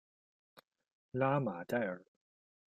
拉马盖尔。